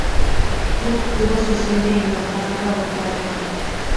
El club tuvo su sede en Oaxaca, Oaxaca.